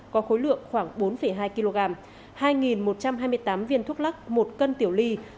có khối lượng khoảng bốn hai kg hai một trăm hai mươi tám viên thuốc lắc một cân tiểu ly